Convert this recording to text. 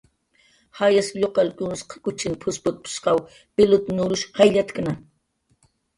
"Jayas lluqallkunsq kuchin p""usputp""shqaw pilut nurush jayllatkna."